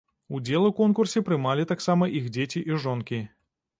Удзел у конкурсе прымалі таксама іх дзеці і жонкі.